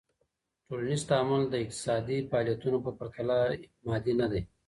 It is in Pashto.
ټولنیز تعامل د اقتصادی فعالیتونو په پرتله مادي ندي.